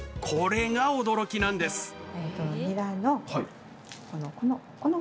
これが驚きなんです！